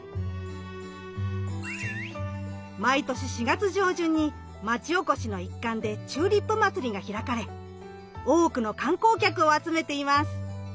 毎年４月上旬に町おこしの一環でチューリップまつりが開かれ多くの観光客を集めています。